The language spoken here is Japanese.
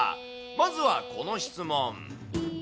まずはこの質問。